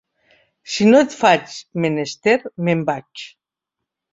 Si no et faig menester, me'n vaig.